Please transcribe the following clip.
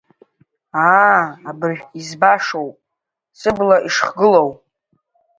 Аа, абыржә избошәоуп сыбла ишыхгылоу!